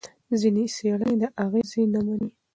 ځینې څېړنې دا اغېز نه مني.